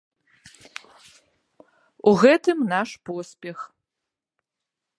У гэтым наш поспех.